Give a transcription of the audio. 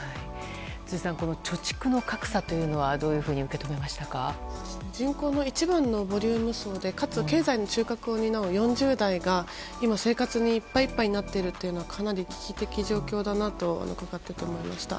辻さん、貯蓄の格差というのはどういうふうに人口の一番のボリューム層でかつ経済の中核を担う４０代が今、生活にいっぱいいっぱいになっていてかなり危機的状況だなと伺っていて、思いました。